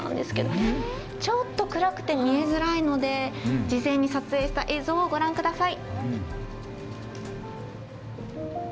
ちょっと暗くて見えづらいので事前に撮影した映像をご覧ください。